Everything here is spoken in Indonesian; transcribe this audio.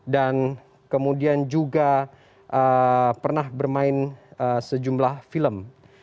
dan kemudian juga pernah bermain sejumlah film